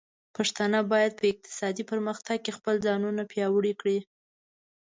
پښتانه بايد په اقتصادي پرمختګ کې خپل ځانونه پياوړي کړي.